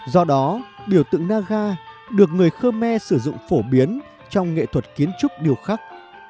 do đó biểu tượng naga được người khmer sử dụng phổ biến trong nghệ thuật kiến trúc điêu khắc